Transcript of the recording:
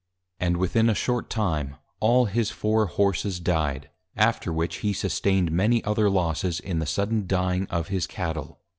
_ And within a short time, all his Four Horses dy'd; after which he sustained many other Losses in the sudden Dying of his Cattle.